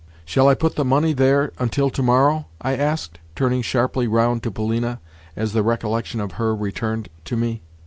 "Shall I put the money there until tomorrow?" I asked, turning sharply round to Polina as the recollection of her returned to me.